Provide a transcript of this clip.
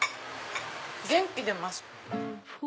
元気出ます。